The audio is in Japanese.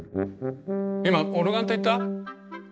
今オルガンって言った？